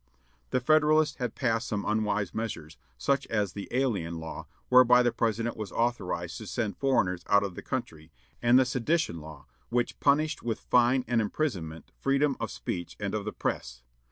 The Federalists had passed some unwise measures, such as the "Alien Law," whereby the President was authorized to send foreigners out of the country; and the "Sedition Law," which punished with fine and imprisonment freedom of speech and of the press.